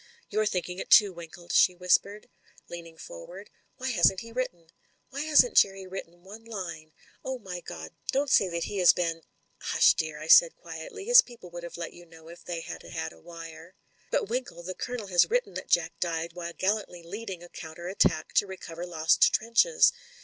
"You're thinking it too, Winkle," she whispered, leaning forward. "Why hasn't he written? Why hasn't Jerry written one line? Oh, my God! don't say that he has been " "Hush, dear!" I said quietly. "His people would have let you know if they had had a wire." "But, Winkle, the Colonel has written that Jack died while gallantly leading a counter attack to recover lost trenches.